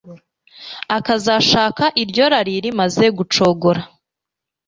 akazashaka iryo rari rimaze gucogora